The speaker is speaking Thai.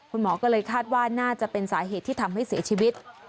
คุณหมอก็เลยคาดว่าน่าจะเป็นสาเหตุที่ทำให้เสียชีวิต